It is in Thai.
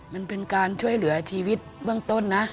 มันเป็นการช่วยเหลือชีวิตเบื้องต้นนะ